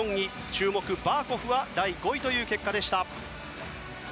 注目のバーコフは第５位という結果でした。